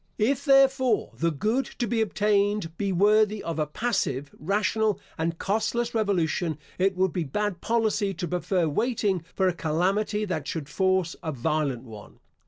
If, therefore, the good to be obtained be worthy of a passive, rational, and costless revolution, it would be bad policy to prefer waiting for a calamity that should force a violent one.